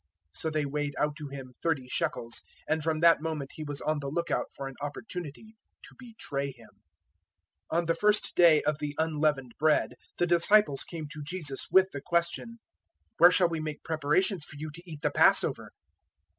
So they weighed out to him thirty shekels, 026:016 and from that moment he was on the look out for an opportunity to betray Him. 026:017 On the first day of the Unleavened Bread the disciples came to Jesus with the question, "Where shall we make preparations for you to eat the Passover?"